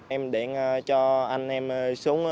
em điện cho anh em xuống đi